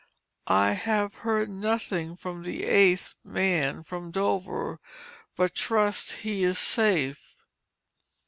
I have heard nothing from the eighth man from Dover, but trust he is safe.